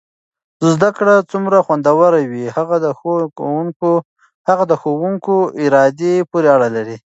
زده کړه څومره خوندور وي هغه د ښو کوونکو ارادې پورې اړه لري.